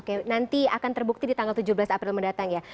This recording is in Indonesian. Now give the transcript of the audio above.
oke nanti akan terbukti di tanggal tujuh belas april mendatang ya